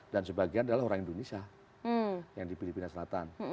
dan sebagian adalah orang indonesia yang di filipina selatan